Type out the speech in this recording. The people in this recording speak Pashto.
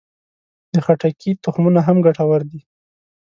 د خټکي تخمونه هم ګټور دي.